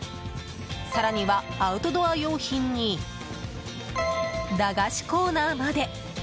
更には、アウトドア用品に駄菓子コーナーまで。